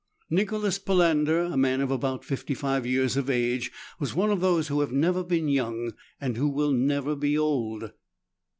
Nicholas Palander, a man of about fifty five years of age, was one of those who have never been young, and who will never be old.